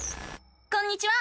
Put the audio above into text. こんにちは！